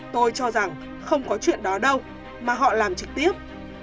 tôi cho rằng không có chuyện đó đâu mà họ làm trực tiếp